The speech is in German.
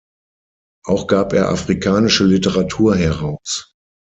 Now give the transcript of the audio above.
Auch gab er afrikanische Literatur heraus.